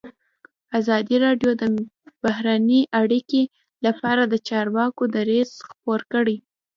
ازادي راډیو د بهرنۍ اړیکې لپاره د چارواکو دریځ خپور کړی.